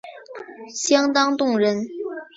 相当动人